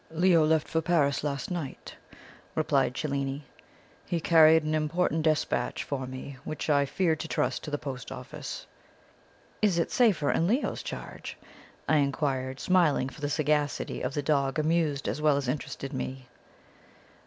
"Leo left for Paris last night," replied Cellini; "he carried an important despatch for me, which I feared to trust to the post office." "Is it safer in Leo's charge?" I inquired, smiling, for the sagacity of the dog amused as well as interested me.